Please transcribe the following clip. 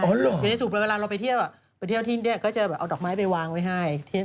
อยู่ในสูบเลยเวลาเราไปเที่ยวไปเที่ยวที่เนี่ยก็จะแบบเอาดอกไม้ไปวางไว้ให้